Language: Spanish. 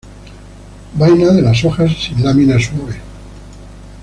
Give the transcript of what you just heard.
Vaina de la hojas sin lámina, suave.